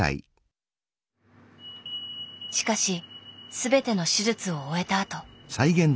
しかし全ての手術を終えたあと。